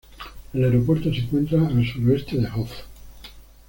El aeropuerto se encuentra a al suroeste de Hof.